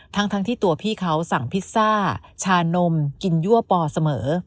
ทั้งที่ตัวพี่เขาสั่งพิซซ่าชานมกินยั่วปอเสมอ